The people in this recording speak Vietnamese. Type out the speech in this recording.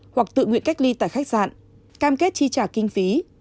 hoặc tự nguyện cách ly tại khách sạn cam kết chi trả kinh phí